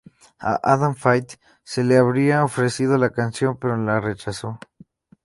A Adam Faith se le habría ofrecido la canción, pero la rechazó.